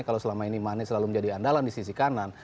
kalau selama ini mane selalu menjadi andalan di sisi kanan